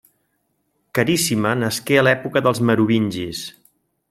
Caríssima nasqué a l'època dels merovingis.